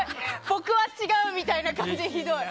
僕は違うみたいな感じでひどい！